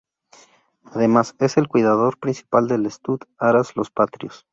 Además, es el cuidador principal del stud haras Los Patrios.